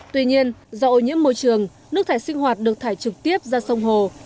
tuy nhiên do ô nhiễm môi trường nước thải sinh hoạt được thải trực tiếp ra sông hồ